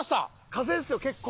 風ですよ結構。